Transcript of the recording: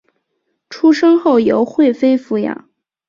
出生后由惠妃抚养。